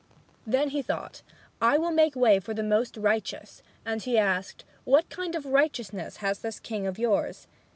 Then he thought, "I will make way for the most righteous." And he asked, "What kind of righteousness has this king of yours?"